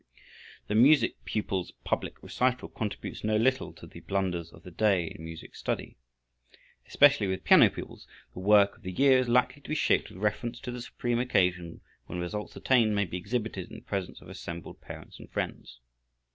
The music pupils' public recital contributes no little to the blunders of the day in music study. Especially with piano pupils, the work of the year is likely to be shaped with reference to the supreme occasion when results attained may be exhibited in the presence of assembled parents and friends.